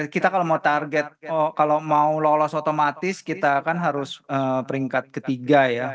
kita kalau mau target kalau mau lolos otomatis kita kan harus peringkat ketiga ya